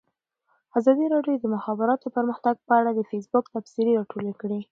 ازادي راډیو د د مخابراتو پرمختګ په اړه د فیسبوک تبصرې راټولې کړي.